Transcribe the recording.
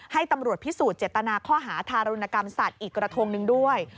ให้ตำรวจพิสูจน์เจตนาข้อหาทารุณกรรมสัตว์อีกกระทงหนึ่งด้วย